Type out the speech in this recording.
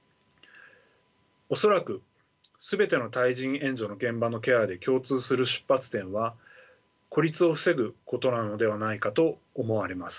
恐らく全ての対人援助の現場のケアで共通する出発点は孤立を防ぐことなのではないかと思われます。